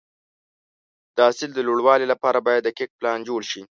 د حاصل د لوړوالي لپاره باید دقیق پلان جوړ شي.